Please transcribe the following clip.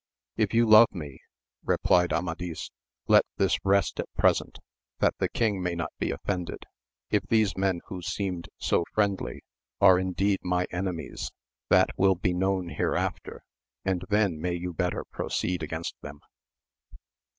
If you love me, re plied Amadis, let this rest at present, that the kiog may not be offended ; if these men, who seemed so friendly, are indeed my enemies, that will be known hereafter, and then may you better proceed against AMADIS OF GAUL. 113 them.